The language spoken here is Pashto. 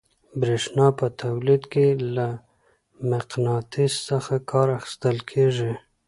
برېښنا په تولید کې له مقناطیس څخه کار اخیستل کیږي.